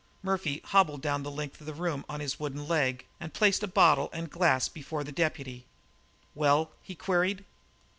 Murphy hobbled down the length of the room on his wooden leg and placed bottle and glass before the deputy. "Well?" he queried.